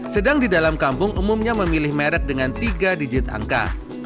sedang di dalam kampung umumnya memilih merek dengan tiga digit angka